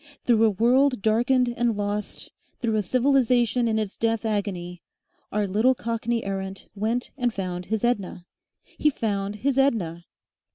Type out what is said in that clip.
Through a world darkened and lost, through a civilisation in its death agony, our little Cockney errant went and found his Edna! He found his Edna!